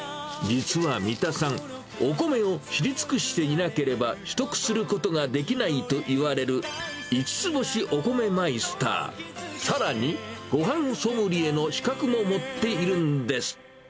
実は三田さん、お米を知り尽くしていなければ取得することができないといわれる五つ星お米マイスター、さらに、ごはんソムリエの資格も持っているんです。